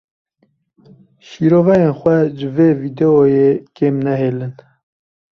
Şiroveyên xwe ji vê vîdeoyê kêm nehêlin.